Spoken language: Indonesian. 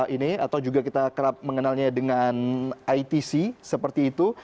ini atau juga kita kerap mengenalnya dengan itc seperti itu